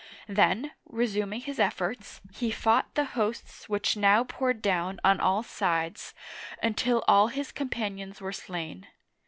Then, resuming his efforts, he fought the hosts which now poured down on all sides, until all his companions were slain.